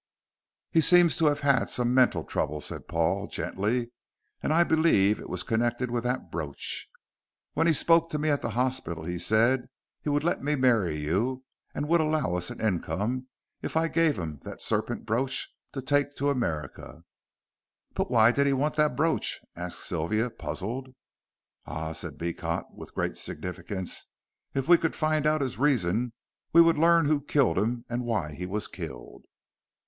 "He seems to have had some mental trouble," said Paul, gently, "and I believe it was connected with that brooch. When he spoke to me at the hospital he said he would let you marry me, and would allow us an income, if I gave him the serpent brooch to take to America." "But why did he want the brooch?" asked Sylvia, puzzled. "Ah!" said Beecot, with great significance, "if we could find out his reason we would learn who killed him and why he was killed."